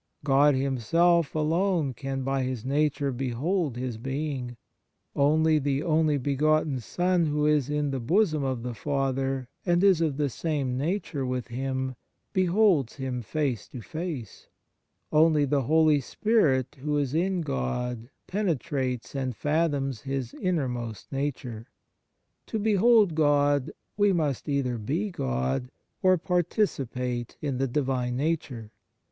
God Himself alone can by His nature behold His being; only the " only begotten Son who is in the bosom of the Father," and is of the same nature with Him, beholds Him face to face; only the Holy Spirit, who is in God, penetrates and fathoms His innermost nature. To behold God, we must either be God or participate in the Divine Nature.